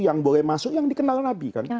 yang boleh masuk yang dikenal nabi kan